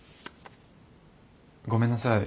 ごめんなさい